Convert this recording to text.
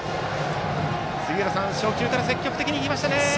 杉浦さん、初球から積極的に行きましたね。